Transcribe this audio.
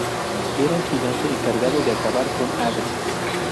Era el gigante encargado de acabar con Hades.